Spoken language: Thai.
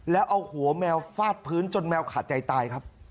แล้วเอาหัวแมวฟาดพื้นจนแมวขาดใจตายครับ